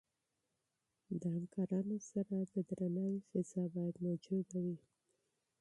د همکارانو سره د احترام فضا باید موجوده وي.